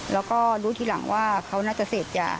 แล้วก็รู้ทีหลังว่าเขาน่าจะเสพยา